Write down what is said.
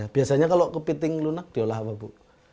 biasanya kalau kepiting lunak diolah apa bu